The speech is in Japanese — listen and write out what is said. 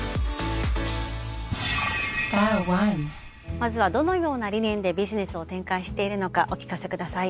まずはどのような理念でビジネスを展開しているのかお聞かせください。